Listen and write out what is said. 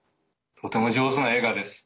とても上手な映画です。